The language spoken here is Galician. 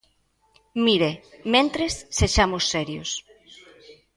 Mire, mentres, sexamos serios.